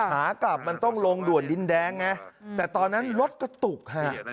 ขากลับมันต้องลงด่วนดินแดงไงแต่ตอนนั้นรถกระตุกฮะ